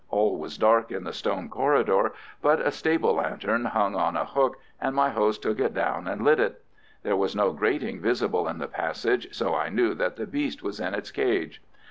All was dark in the stone corridor, but a stable lantern hung on a hook, and my host took it down and lit it. There was no grating visible in the passage, so I knew that the beast was in its cage.